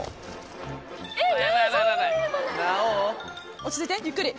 落ち着いてゆっくり。